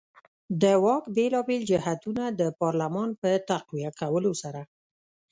د واک بېلابېل جهتونه د پارلمان په تقویه کولو سره.